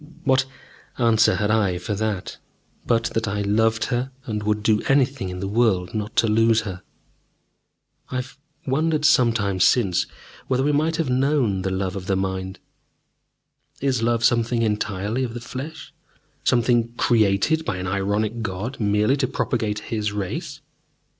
What answer had I for that, but that I loved her and would do anything in the world not to lose her? I have wondered sometimes since whether we might have known the love of the mind. Is love something entirely of the flesh, something created by an ironic God merely to propagate His race?